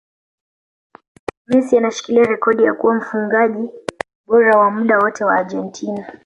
Messi anashikilia rekodi ya kuwa mfungaji bora wa muda wote wa Argentina